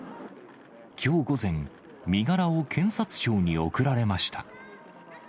きょう午前、身柄を検察庁に送られました。